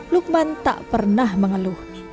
lukman tak pernah mengeluh